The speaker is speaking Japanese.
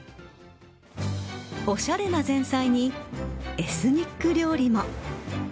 おしゃれな前菜にエスニック料理も。